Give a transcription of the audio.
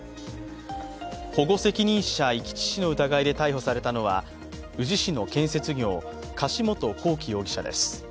保護責任者遺棄致死の疑いで逮捕されたのは、宇治市の建設業柏本光樹容疑者です。